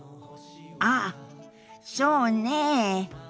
ああそうねえ。